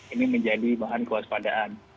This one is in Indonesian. ini menjadi bahan kewaspadaan